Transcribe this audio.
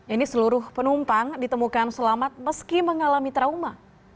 ini seluruh penumpang ditemukan selamat meski mengalami trauma